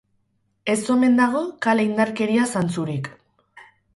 Ez omen dago kale indarkeria zantzurik.